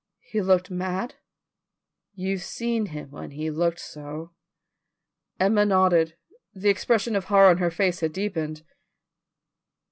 "He looked mad?" "You've seen him when he looked so." Emma nodded; the expression of horror on her face had deepened.